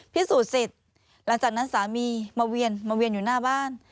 พิสูจน์เสร็จหลังจากนั้นสามีมาเวียนมาเวียนอยู่หน้าบ้าน